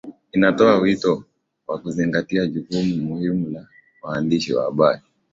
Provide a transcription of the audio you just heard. Inatoa wito wa kuzingatia jukumu muhimu la waandishi wa habari